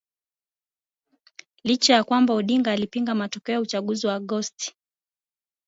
licha ya kwamba Odinga alipinga matokeo ya uchaguzi wa Agosti